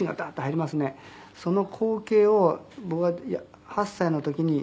「その光景を僕が８歳の時に」